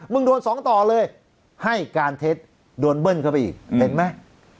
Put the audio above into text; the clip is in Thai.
โดนสองต่อเลยให้การเท็จโดนเบิ้ลเข้าไปอีกเห็นไหม